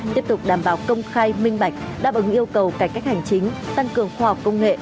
tiếp tục đảm bảo công khai minh bạch đáp ứng yêu cầu cải cách hành chính tăng cường khoa học công nghệ